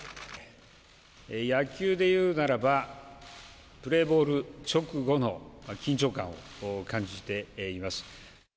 野球でいうならば、プレーボール直後の緊張感を感じています。